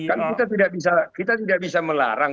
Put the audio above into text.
kan kita tidak bisa melarang